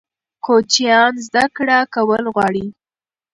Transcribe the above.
کوچنیان زده کړه کول غواړي.